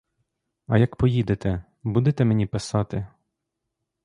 А як поїдете, будете мені писати?